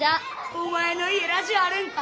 お前の家ラジオあるんか。